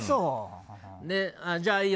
じゃあ、いいよ